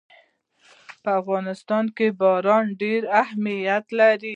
په افغانستان کې باران ډېر اهمیت لري.